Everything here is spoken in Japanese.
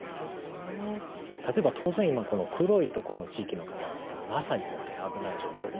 例えば当然今この黒いところの地域の方々はまさに本当に危ない状況ですよね。